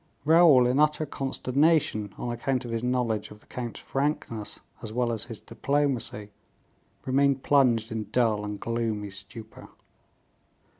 Raoul, in utter consternation, on account of his knowledge of the count's frankness as well as his diplomacy, remained plunged in dull and gloomy stupor.